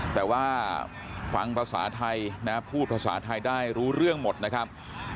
แต่ว่าฟังภาษาไทยนะพูดภาษาไทยได้รู้เรื่องหมดนะครับ